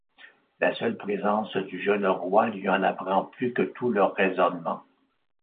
La seule présence du jeune roi lui en apprend plus que tous leurs raisonnements.